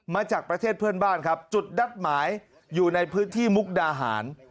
มาจากประเทศเพื่อนบ้านครับจุดนัดหมายอยู่ในพื้นที่มุกดาหาร